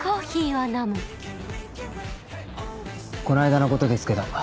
この間のことですけど。